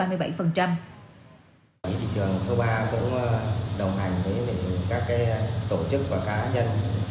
lực lượng quản lý thị trường số ba cũng đồng hành với các tổ chức và cá nhân